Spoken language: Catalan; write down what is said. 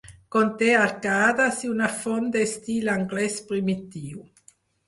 Conté arcades i una font d'estil anglès primitiu.